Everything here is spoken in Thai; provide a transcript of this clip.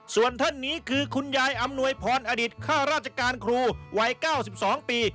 ส่วนท่านนี้คือคุณยายอำนวยพรอดิษฐข้าราชการครูวัย๙๒ปี